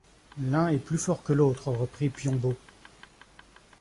L’un est plus fort que l’autre, reprit Piombo.